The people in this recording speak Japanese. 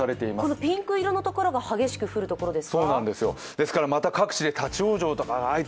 ピンク色の所が激しく降るところですか？